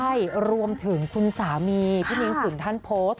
ใช่รวมถึงคุณสามีพี่นิ้งฝุ่นท่านโพสต์